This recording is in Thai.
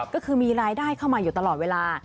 ก็คือมีรายได้เข้ามาอยู่ตลอดเวลา